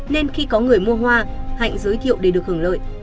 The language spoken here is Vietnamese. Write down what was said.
nên khi có người mua hoa hạnh giới thiệu để được hưởng lợi